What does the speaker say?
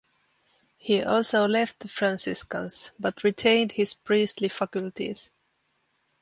He also left the Franciscans, but retained his priestly faculties.